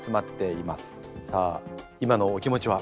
さあ今のお気持ちは？